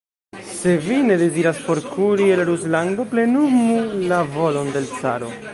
Se vi ne deziras forkuri el Ruslando, plenumu la volon de l' caro.